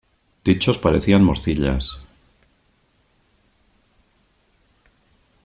Dichos parecían morcillas.